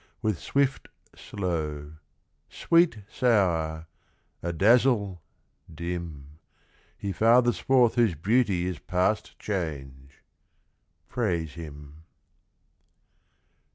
With swift, slow; sweet, sour; adazzle, dim; He fathers forth whose beauty is past change: Praise him.